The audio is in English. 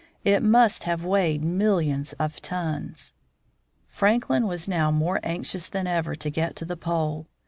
It must have weighed millions of tons. Franklin was now more anxious than ever to get to the pole.